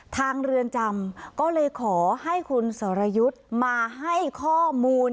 เรือนจำก็เลยขอให้คุณสรยุทธ์มาให้ข้อมูล